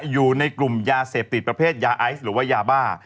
อยู่ในกลุ่มยาเสพติดประเภทยาไอซ์หรือว่ายาบ้า